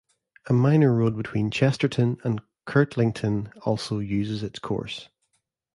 A minor road between Chesterton and Kirtlington also uses its course.